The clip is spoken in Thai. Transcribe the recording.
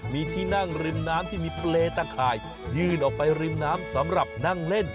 มีที่นั่งริมน้ำที่มีเปรย์ตะข่ายยื่นออกไปริมน้ำสำหรับนั่งเล่น